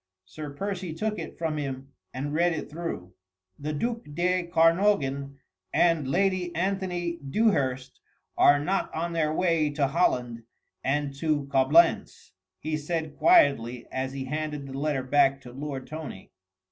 Sir Percy took it from him and read it through: "The duc de Kernogan and Lady Anthony Dewhurst are not on their way to Holland and to Coblentz," he said quietly as he handed the letter back to Lord Tony.